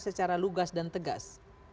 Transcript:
secara lugas dan tegas